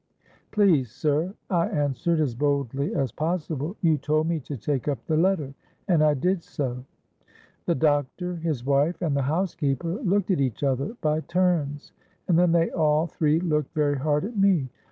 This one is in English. '—'Please, sir,' I answered, as boldly as possible, 'you told me to take up the letter; and I did so.'—The doctor, his wife, and the housekeeper looked at each other by turns; and then they all three looked very hard at me.